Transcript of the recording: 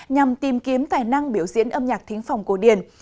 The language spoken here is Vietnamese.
nhằm tìm kiếm tài năng biểu diễn âm nhạc thính phòng cổ điển